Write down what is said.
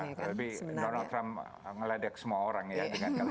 ya lebih donald trump ngeledek semua orang ya